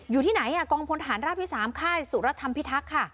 อยู่ที่ไหนกองพลฐานราบที่๓ค่ายสุรธรรมพิทักษ์ค่ะ